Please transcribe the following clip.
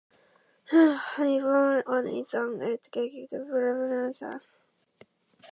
Valerio races Ironman and is an elite age-group member of the Timex Multisport Team.